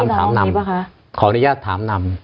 เออผมจะใช้ลักษณะคำถามนำขออนุญาตถามนำ